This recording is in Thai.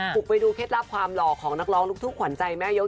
บุกไปดูเคล็ดลับความหล่อของนักร้องลูกทุ่งขวัญใจแม่ยก